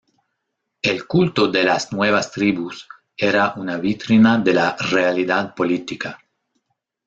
El culto de las nuevas tribus era una vitrina de la realidad política.